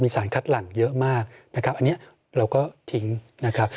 สารคัดหลังเยอะมากนะครับอันนี้เราก็ทิ้งนะครับ